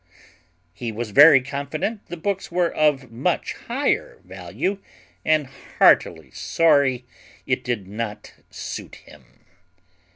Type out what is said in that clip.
He was very confident the books were of much higher value, and heartily sorry it did not suit him."